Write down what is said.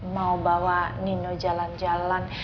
mau bawa nino jalan jalan